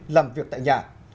làm việc tại nhà